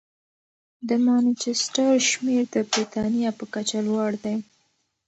د مانچسټر شمېر د بریتانیا په کچه لوړ دی.